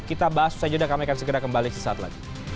kita bahas usah jeda kami akan segera kembali ke situ